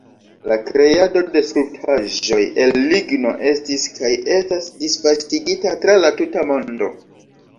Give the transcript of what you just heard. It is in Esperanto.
La kreado de skulptaĵoj el ligno estis kaj estas disvastigita tra la tuta mondo.